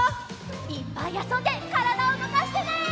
いっぱいあそんでからだうごかしてね！